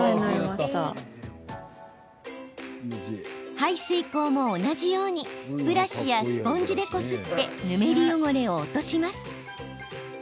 排水口も同じようにブラシやスポンジでこすってヌメリ汚れを落とします。